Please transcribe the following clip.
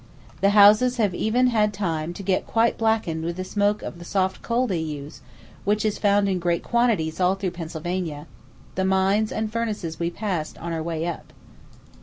The houses have even had time to get quite blackened with the smoke of the soft coal they use, which is found in great quantities all through Pennsylvania; the mines and furnaces we passed on our way up.